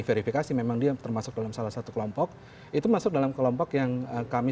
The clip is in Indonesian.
verifikasi memang dia termasuk dalam salah satu kelompok itu masuk dalam kelompok yang kami